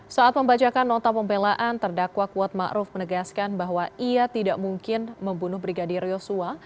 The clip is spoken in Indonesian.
saat membacakan nota pembelaan terdakwa kuat ⁇ maruf ⁇ menegaskan bahwa ia tidak mungkin membunuh brigadir yosua